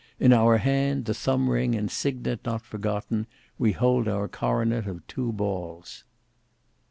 In our hand, the thumb ring and signet not forgotten, we hold our coronet of two balls!"